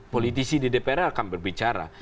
politisi di dpr akan berbicara